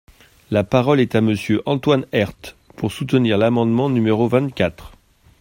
La parole est à Monsieur Antoine Herth, pour soutenir l’amendement numéro vingt-quatre.